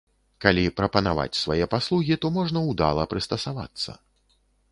Калі прапанаваць свае паслугі, то можна ўдала прыстасавацца.